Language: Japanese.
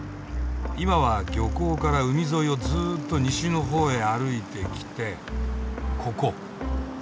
今は漁港から海沿いをずっと西のほうへ歩いてきてここ。